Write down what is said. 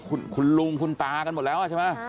คุณลุงคุณตากันหมดแล้วใช่ไหม